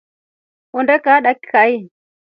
Ondee kaa dakikai.